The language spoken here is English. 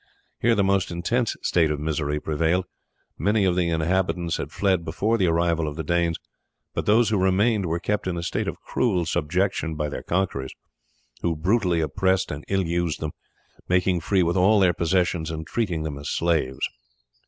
Here the most intense state of misery prevailed. Many of the inhabitants had fled before the arrival of the Danes, but those who remained were kept in a state of cruel subjection by their conquerors, who brutally oppressed and ill used them, making free with all their possessions and treating them as slaves.